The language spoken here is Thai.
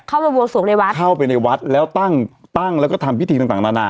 มาบวงสวงในวัดเข้าไปในวัดแล้วตั้งตั้งแล้วก็ทำพิธีต่างต่างนานา